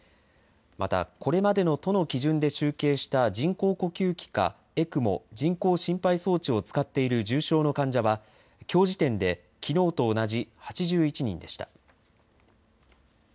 また、これまでの都の基準で集計した人工呼吸器か、ＥＣＭＯ・人工心肺装置を使っている重症の患者は、きょう時点できのうと同じ８１人でした。